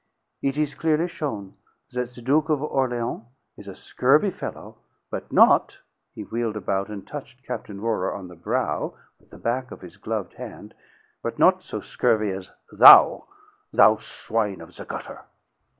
It is clearly shown that the Duke of Orleans is a scurvy fellow, but not " he wheeled about and touched Captain Rohrer on the brow with the back of his gloved hand "but not so scurvy as thou, thou swine of the gutter!"